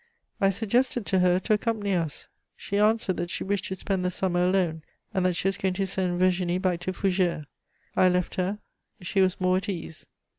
I suggested to her to accompany us. She answered that she wished to spend the summer alone, and that she was going to send Virginie back to Fougères. I left her; she was more at ease.